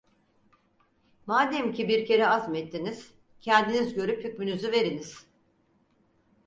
Mademki bir kere azmettiniz… Kendiniz görüp hükmünüzü veriniz!